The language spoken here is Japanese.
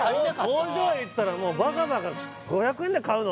工場いったらもうバカバカ５００円で買うの？